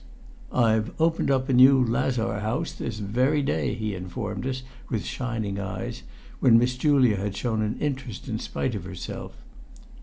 "I've opened up a new lazar house this very day," he informed us, with shining eyes, when Miss Julia had shown an interest in spite of herself.